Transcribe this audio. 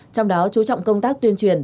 trong đó chú trọng công tác tuyên truyền